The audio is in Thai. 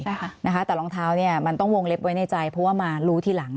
ใช่ค่ะนะคะแต่รองเท้าเนี่ยมันต้องวงเล็บไว้ในใจเพราะว่ามารู้ทีหลัง